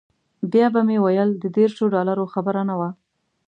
بیا به مې ویل د دیرشو ډالرو خبره نه وه.